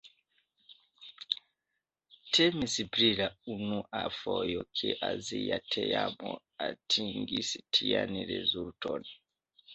Temis pri la unua fojo ke azia teamo atingis tian rezulton.